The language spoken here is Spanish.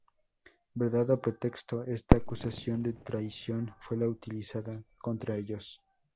Verdad o pretexto, esta acusación de traición fue la utilizada contra ellos.